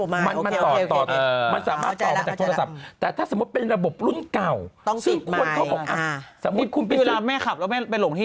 มันต่อมันสามารถต่อมาจากโทรศัพท์